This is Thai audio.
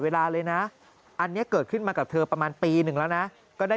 เวลาเลยนะอันนี้เกิดขึ้นมากับเธอประมาณปีหนึ่งแล้วนะก็ได้